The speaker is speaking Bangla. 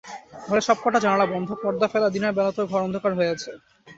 ঘরের সব কটা জানালা বন্ধ, পর্দা ফেলা দিনের বেলাতেও ঘর অন্ধকার হয়ে আছে।